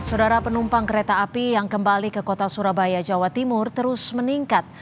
saudara penumpang kereta api yang kembali ke kota surabaya jawa timur terus meningkat